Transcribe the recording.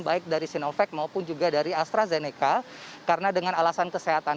baik dari sinovac maupun juga dari astrazeneca karena dengan alasan kesehatan